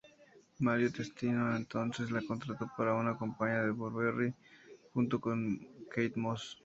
Mario Testino entonces la contrató para una campaña de Burberry junto a Kate Moss.